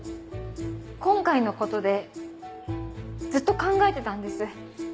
今回のことでずっと考えてたんです。